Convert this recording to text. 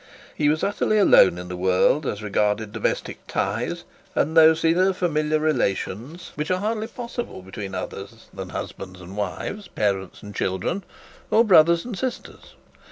He was utterly alone in the world as regarded domestic ties and those inner familiar relations which are hardly possible between others than husbands and wives, parents and children, or brothers and sisters.